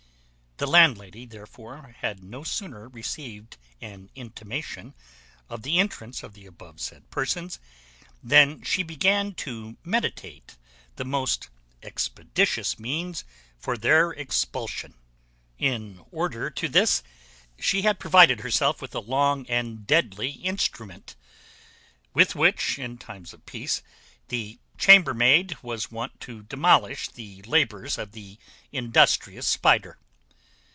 The landlady, therefore, had no sooner received an intimation of the entrance of the above said persons than she began to meditate the most expeditious means for their expulsion. In order to this, she had provided herself with a long and deadly instrument, with which, in times of peace, the chambermaid was wont to demolish the labours of the industrious spider.